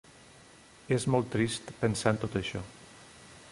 És molt trist pensar en tot això.